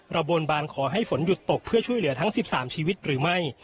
บนบานขอให้ฝนหยุดตกเพื่อช่วยเหลือทั้ง๑๓ชีวิตหรือไม่